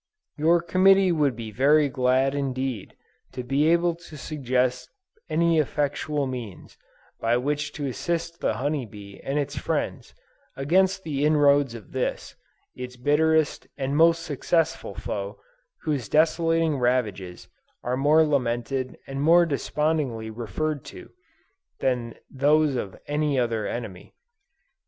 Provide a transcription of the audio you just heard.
"Your committee would be very glad indeed to be able to suggest any effectual means, by which to assist the honey bee and its friends, against the inroads of this, its bitterest and most successful foe, whose desolating ravages are more lamented and more despondingly referred to, than those of any other enemy.